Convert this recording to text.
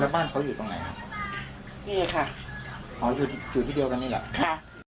บ้านเขาอยู่ตรงไหนนี่ค่ะอยู่ที่เดียวกันนี่ค่ะ